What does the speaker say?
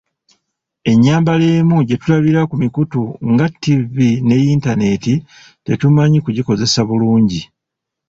Ennyambala emu gye tulabira ku mikutu nga ttivi ne yintaneeti tetumanyi kugikozesa bulungi.